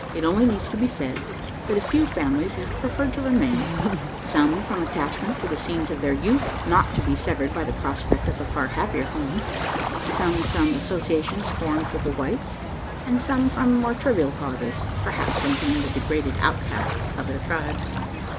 It only needs to be said that a few families have preferred to remain some from attachment to the scenes of their youth, not to be severed by the prospect of a far happier home; some from associations formed with the whites; and some from more trivial causes perhaps from being the degraded outcasts of their tribes.